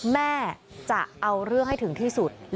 แม่จะเอาเรื่องให้ถึงที่สุด